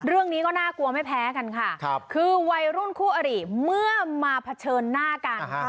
เรื่องนี้ก็น่ากลัวไม่แพ้กันค่ะคือวัยรุ่นคู่อริเมื่อมาเผชิญหน้ากัน